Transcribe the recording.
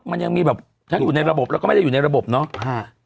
มันยังมีแบบทั้งอยู่ในระบบแล้วก็ไม่ได้อยู่ในระบบเนาะ